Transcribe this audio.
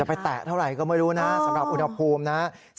ไปแตะเท่าไหร่ก็ไม่รู้นะสำหรับอุณหภูมินะ